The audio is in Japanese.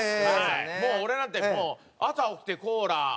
もう俺なんて朝起きてコーラ。